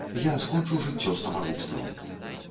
Я скончу жыццё самагубствам.